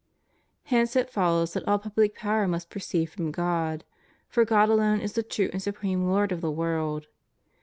Hence it follows that all public power must proceed from God. For God alone is the true and supreme Lord of the world.